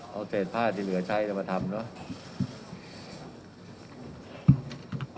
เอาเศษผ้าที่เหลือใช้มาทำเนอะ